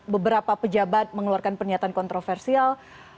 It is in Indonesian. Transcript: beberapa pejabat mengeluarkan pernyataan kontroversial